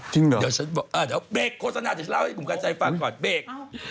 จริงเหรออ่าเดี๋ยวเบรกโฆษณาจะเล่าให้กุมกันใจฝันก่อนเบรก